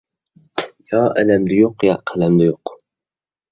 يا ئەلەمدە يوق، يا قەلەمدە يوق.